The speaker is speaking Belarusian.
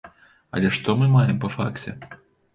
Але што мы маем па факце?